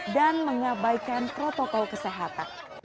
dan mengabaikan protokol kesehatan